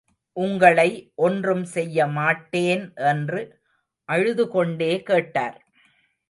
உங்களை ஒன்றும் செய்யமாட்டேன் என்று அழுது கொண்டே கேட்டார்.